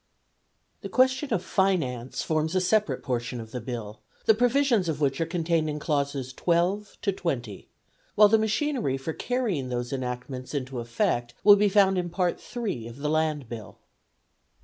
The question of finance forms a separate portion of the Bill, the provisions of which are contained in clauses twelve to twenty, while the machinery for carrying those enactments into effect will be found in Part III. of the Land Bill.